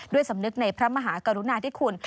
ด้วยสำนึกในพระมหากรุณาที่คุณ